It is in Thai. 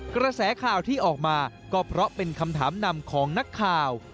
กระแสข่าวที่ออกมาก็เพราะเป็นคำถามนำของนักข่าว